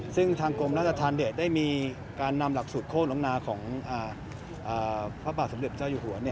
ซึ่งทางกรมราชธรรมได้มีการนำหลักสูตรโคตรลงนาของพระบาทสมเด็จเจ้าอยู่หัว